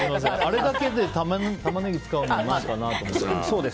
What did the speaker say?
あれだけでタマネギ使うのも何かなと思って。